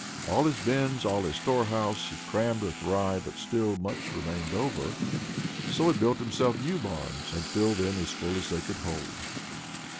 All his bins, all his storehouses, he crammed with rye; but still much remained over. So he built himself new barns, and filled them as full as they could hold.